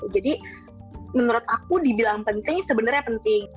jadi menurut aku dibilang penting sebenarnya penting